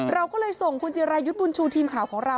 เราก็เลยส่งคุณจิรายุทธ์บุญชูทีมข่าวของเรา